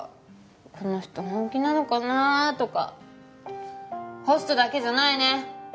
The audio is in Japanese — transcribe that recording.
この人本気なのかなとかホストだけじゃないね。